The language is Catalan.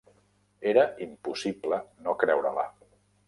Era impossible no creure-la.